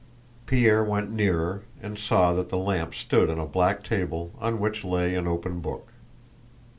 Pierre went nearer and saw that the lamp stood on a black table on which lay an open book.